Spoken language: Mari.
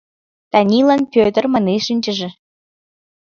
— Танилан Пӧтыр, — манеш шинчышыже.